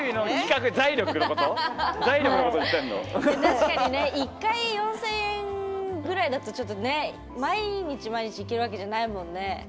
確かに１回４０００円ぐらいだとちょっと毎日行けるわけじゃないもんね。